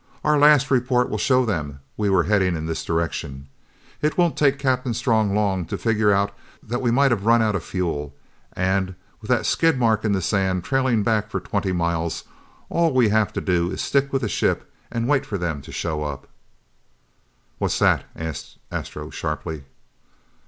Our last report will show them we were heading in this direction. It won't take Captain Strong long to figure out that we might have run out of fuel, and, with that skid mark in the sand trailing back for twenty miles, all we have to do is stick with the ship and wait for them to show up!" "What's that?" asked Astro sharply.